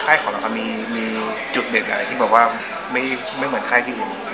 ข้ายของแรงกันมีจุดเด็กอะไรที่ไม่เหมือนแข้หนิ